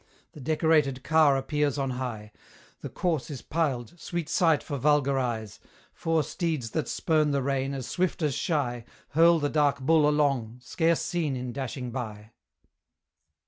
The decorated car appears on high: The corse is piled sweet sight for vulgar eyes; Four steeds that spurn the rein, as swift as shy, Hurl the dark bull along, scarce seen in dashing by.